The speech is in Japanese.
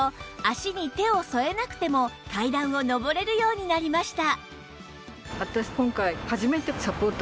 脚に手を添えなくても階段を上れるようになりました